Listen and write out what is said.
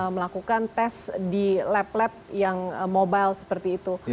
melakukan tes di lab lab yang mobile seperti itu